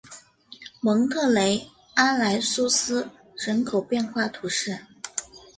蒙特雷阿莱苏斯人口变化图示